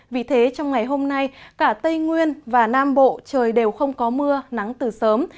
vì thế trong ngày hôm nay cả tây nguyên và nam bộ trời đều không có mưa nắng từ sớm